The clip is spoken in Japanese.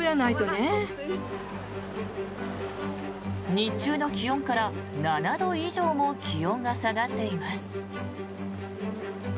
日中の気温から７度以上も気温が下がっています。